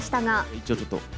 一応ちょっと。